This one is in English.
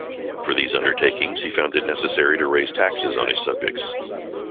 For these undertakings, he found it necessary to raise taxes on his subjects.